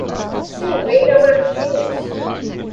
Silveira Martins